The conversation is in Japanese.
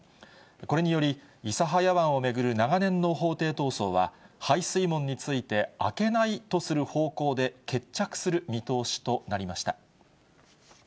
これにより、諫早湾を巡る長年の法廷闘争は、排水門について開けないとする方向で、決着する見通しとなりました。